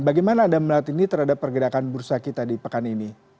bagaimana anda melihat ini terhadap pergerakan bursa kita di pekan ini